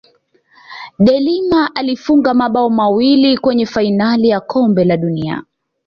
deLima alifunga mabao mawili kwenye fainali ya kombe la dunia